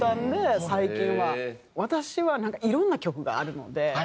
私はいろんな曲があるので。